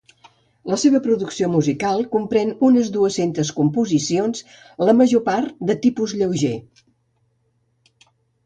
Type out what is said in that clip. La seva producció musical comprèn unes dues-centes composicions, la major part de tipus lleuger.